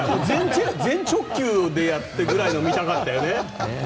全直球でやってるぐらいを見たかったよね。